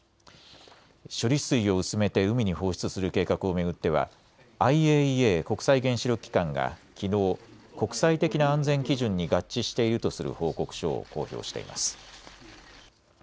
処理水を薄めて海に放出する計画を巡ってはＩＡＥＡ・国際原子力機関がきのう国際的な安全基準に合致しているとする報告書を公表しています。